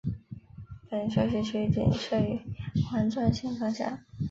本休息区仅设于环状线方向。